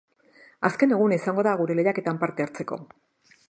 Azken eguna izango da gure lehiaketan parte hartzeko!